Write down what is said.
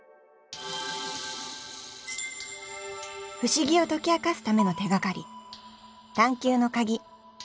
不思議を解き明かすための手がかり